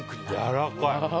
やわらかい！